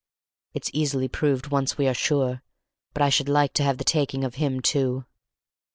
It's easily proved once we are sure; but I should like to have the taking of him too."